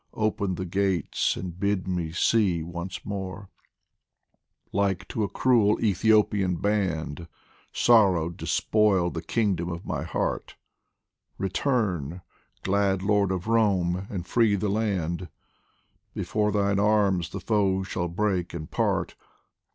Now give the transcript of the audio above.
Open the gates and bid me see once more ! Like to a cruel Ethiopian band, Sorrow despoiled the kingdom of my heart Return ! glad Lord of Rome, and free the land ; Before thine arms the foe shall break and part.